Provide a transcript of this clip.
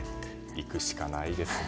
行くしかないですね。